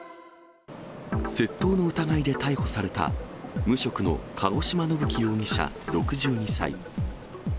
窃盗の疑いで逮捕された、無職の鹿児島伸樹容疑者６２歳。